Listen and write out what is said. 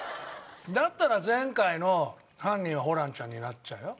だったら前回の犯人はホランちゃんになっちゃうよ。